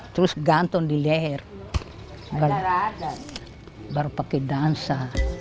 terus gantun di leher baru pakai dansa